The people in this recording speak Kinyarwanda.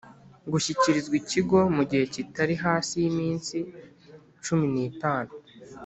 Gushyikirizwa ikigo mu gihe kitari hasi y iminsi cumi n itanu